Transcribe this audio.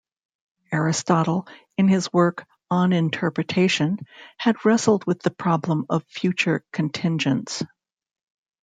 Aristotle, in his work "On Interpretation", had wrestled with the problem of future contingents.